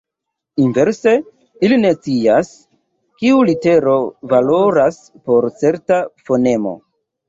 Inverse, ili ne scias, kiu litero valoras por certa fonemo.